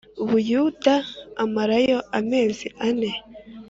Buyuda amarayo amezi ane